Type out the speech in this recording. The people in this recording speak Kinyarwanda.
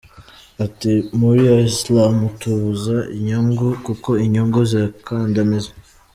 Ati “Muri Islam tubuza inyungu, kuko inyungu zirakandamiza.